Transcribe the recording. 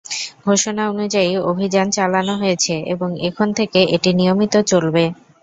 ঘোষণা অনুযায়ী অভিযান চালানো হয়েছে এবং এখন থেকে এটি নিয়মিত চলবে।